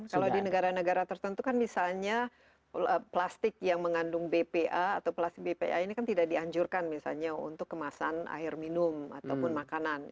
kalau di negara negara tertentu kan misalnya plastik yang mengandung bpa atau plastik bpa ini kan tidak dianjurkan misalnya untuk kemasan air minum ataupun makanan